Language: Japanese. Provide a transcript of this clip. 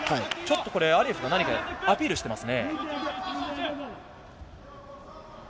アリエフが何かアピールしていますね。